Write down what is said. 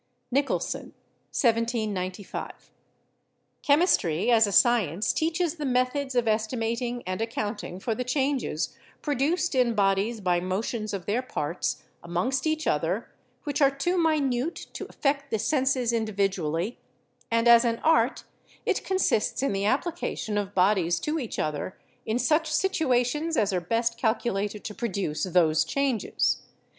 Nicholson (1795). "Chemistry as a science teaches the methods of estimating and accounting for the changes produced in bodies by motions of their parts amongst each other which are too minute to affect the senses individually; and as an art it consists in the application of bodies to each other in such situations as are best calculated to produce those changes."